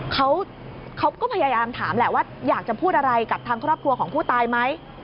เขาก็พยายามถามแหละว่าอยากจะพูดอะไรกับทางครอบครัวของผู้ตายไหม